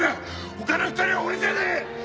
他の２人は俺じゃねえ！